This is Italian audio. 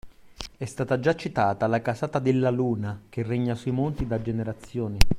È stata già citata la casata Della Luna, che regna sui monti da generazioni.